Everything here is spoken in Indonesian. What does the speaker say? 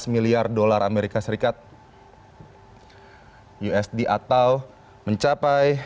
sebelas miliar usd atau mencapai